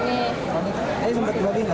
ini sempat kurogi nggak sebelum masuk ke